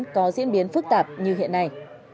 có diễn biến phức tạp như hiện nay